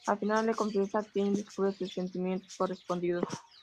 Al final, le confiesa a Kei y descubre sus sentimientos correspondidos.